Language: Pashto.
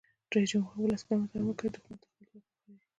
رئیس جمهور خپلو عسکرو ته امر وکړ؛ دښمن ته خپل ځواک وښایئ!